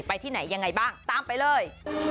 ที่ไหนยังไงบ้างตามไปเลย